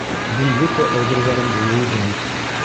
Мин бөтә әйберҙәремде йыйҙым.